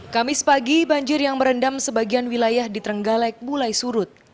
kamis pagi banjir yang merendam sebagian wilayah di trenggalek mulai surut